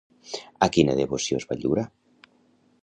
I a quina devoció es va lliurar?